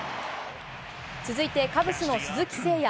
続いてカブスの鈴木誠也。